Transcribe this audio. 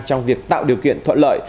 trong việc tạo điều kiện thuận lợi